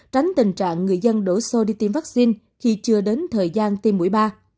tránh tình trạng người dân đổ xô đi tiêm vaccine khi chưa đến thời gian tiêm mũi ba